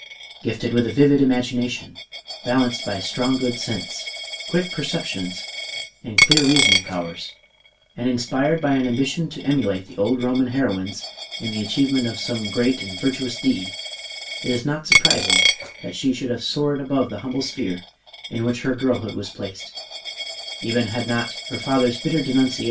Gifted with a vivid imagination balanced by strong good sense, quick perceptions, and clear reasoning pow ers, and inspired by an ambition to emulate the old Roman heroines in the achievement of some great and virtuous deed, it is not surprising that she should have soared above the humble sphere in which her girlhood was placed, even had not her father's bitter denuncia 474 MADAME ROLAND.